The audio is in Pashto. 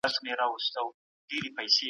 نوي بدلونونه به تر پخوا ډېر غوره وي.